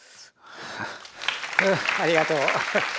ふうありがとう。